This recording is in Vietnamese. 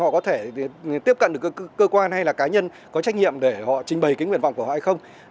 họ có thể tiếp cận được cơ quan hay là cá nhân có trách nhiệm để họ trình bày kính nguyện vọng của họ hay không